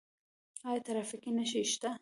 آیا ټرافیکي نښې شته؟